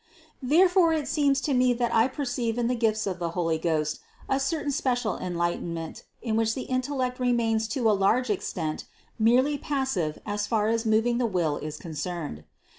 602. Therefore it seems to me that I perceive in the gifts of the Holy Ghost a certain special enlightenment in which the intellect remains to a large extent merely passive as far as moving the will is concerned.